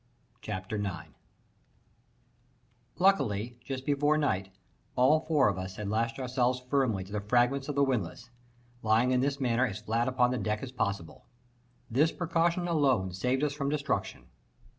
CHAPTER 9 Luckily, just before night, all four of us had lashed ourselves firmly to the fragments of the windlass, lying in this manner as flat upon the deck as possible. This precaution alone saved us from destruction.